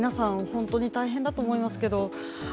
本当に大変だと思います。